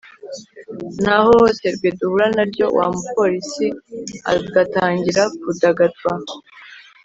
nta hohoterwa duhura na ryo wa mu polisi agatangira kudagadwa